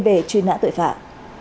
về truy nã tội phạm